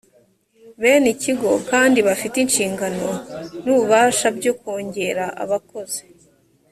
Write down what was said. bene ikigo kandi bafite inshingano n ububasha byo kongera abakozi